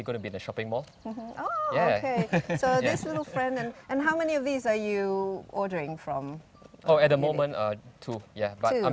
dengan menjual banyak makanan